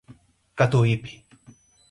Catuípe